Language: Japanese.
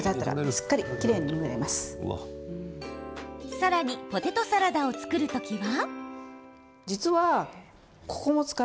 さらにポテトサラダを作る時は。